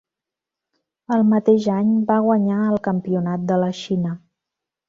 El mateix any va guanyar el campionat de la Xina.